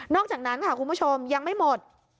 อกจากนั้นค่ะคุณผู้ชมยังไม่หมด